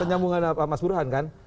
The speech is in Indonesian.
penyambungan apa mas burhan kan